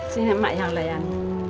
sini mak yang layan